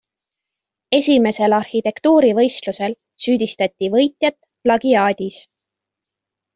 Esimesel arhitektuurivõistlusel süüdistati võitjat plagiaadis.